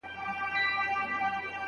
ايا ته نه پوهېدې، چي کوم تفسير وژباړې؟